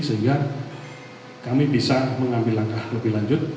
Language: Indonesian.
sehingga kami bisa mengambil langkah lebih lanjut